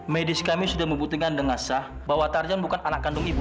medis kami sudah membuktikan dengan sah bahwa tarjan bukan anak kandung ibu